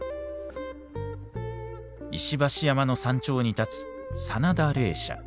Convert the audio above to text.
石橋山の山頂に建つ佐奈田霊社。